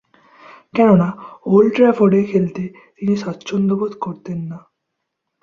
কেননা, ওল্ড ট্রাফোর্ডে খেলতে তিনি স্বাচ্ছন্দ্যবোধ করতেন না।